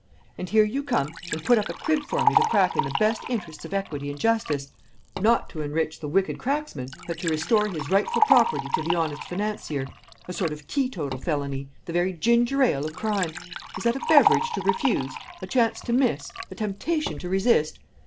And here you come and put up a crib for me to crack in the best interests of equity and justice; not to enrich the wicked cracksman, but to restore his rightful property to the honest financier; a sort of teetotal felony the very ginger ale of crime! Is that a beverage to refuse a chance to miss a temptation to resist?